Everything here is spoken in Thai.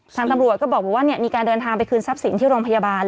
ทางตำรวจก็บอกว่ามีการเดินทางไปคืนทรัพย์สินที่โรงพยาบาล